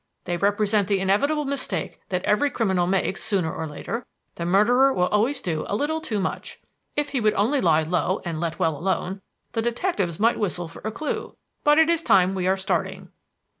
They represent the inevitable mistake that every criminal makes sooner or later. The murderer will always do a little too much. If he would only lie low and let well alone, the detectives might whistle for a clue. But it is time we are starting."